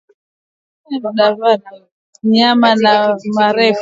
Mnyama baada ya kupona manyoya ya mgongoni huwa manene na marefu